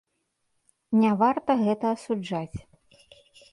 Не варта гэта асуджаць.